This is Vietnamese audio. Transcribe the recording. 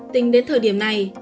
tính đến thời điểm này